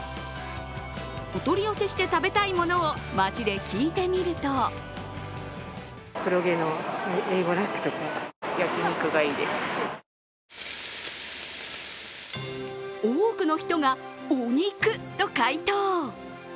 お取り寄せして食べたいものを街で聞いてみると多くの人がお肉と回答。